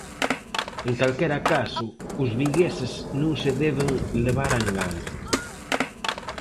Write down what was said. En calquera caso, os vigueses non se deben levar a engano.